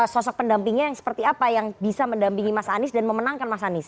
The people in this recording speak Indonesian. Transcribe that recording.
sosok pendampingnya yang seperti apa yang bisa mendampingi mas anies dan memenangkan mas anies